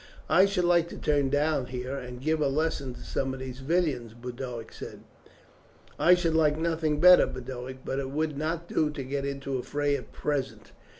"I should like to turn down here and give a lesson to some of these villains," Boduoc said. "I should like nothing better, Boduoc, but it would not do to get into a fray at present.